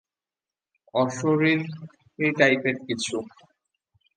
অশরীরী টাইপের কিছু।